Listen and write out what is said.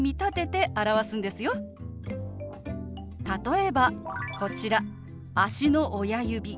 例えばこちら「足の親指」。